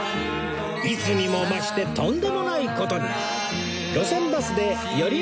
いつにも増してとんでもない事に